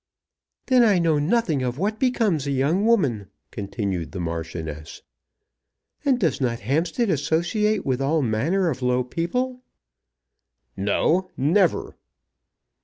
"Then I know nothing of what becomes a young woman," continued the Marchioness. "And does not Hampstead associate with all manner of low people?" "No, never."